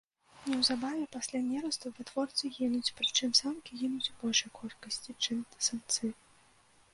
Неўзабаве пасля нерасту вытворцы гінуць, прычым самкі гінуць у большай колькасці, чым самцы.